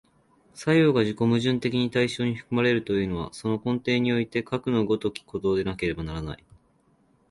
作用が自己矛盾的に対象に含まれるというのは、その根底においてかくの如きことでなければならない。